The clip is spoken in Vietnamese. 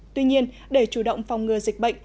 tuy nhiên để chủ động phòng ngừa dịch bệnh